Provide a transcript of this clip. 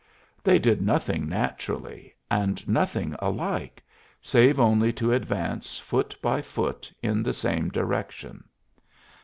They did nothing naturally, and nothing alike, save only to advance foot by foot in the same direction.